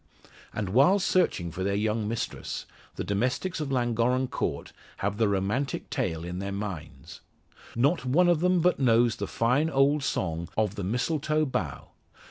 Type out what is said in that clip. And while searching for their young mistress, the domestics of Llangorren Court have the romantic tale in their minds. Not one of them but knows the fine old song of the "Mistletoe Bough."